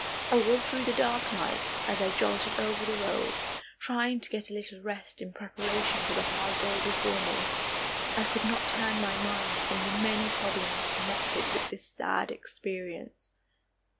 All through the dark night, as I jolted over the road, trying to get a little rest in preparation for the hard day before me, I could not turn my mind from the many problems connected with this sad experience.